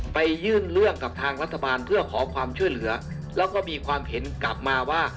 ไปยื่นเรื่องกับทางรัฐบาลเพื่อขอความช่วยเหลือแล้วก็มีความเห็นกลับมาว่า